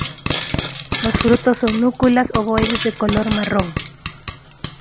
Los frutos son núculas ovoides, de color marrón oscuro.